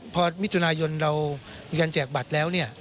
พอมิถุนายนเรามีการแจกบัตรแล้วเนี่ย